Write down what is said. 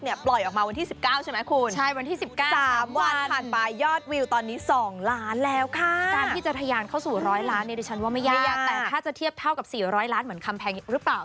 ในดิฉันว่าไม่ยากแต่ถ้าจะเทียบเท่ากับ๔๐๐ล้านเหมือนคำแพงหรือเปล่า